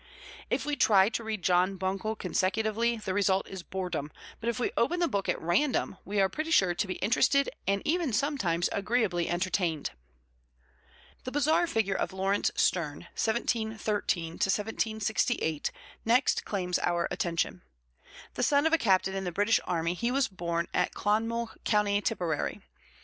If we try to read John Buncle consecutively, the result is boredom; but if we open the book at random, we are pretty sure to be interested and even sometimes agreeably entertained. The bizarre figure of Laurence Sterne (1713 1768) next claims our attention. The son of a captain in the British army, he was born at Clonmel, Co. Tipperary.